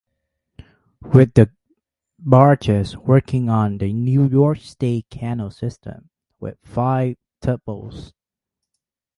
With the barges working on the New York State Canal System with five tugboats.